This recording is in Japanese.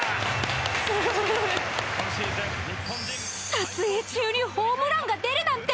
撮影中にホームランが出るなんて